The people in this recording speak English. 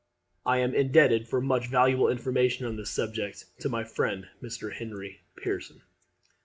[I am indebted for much valuable information on this subject to my friend Mr. Henry Pearson.